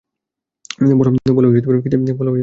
বলে, খিদে সংগ্রহ করতে চলেছি।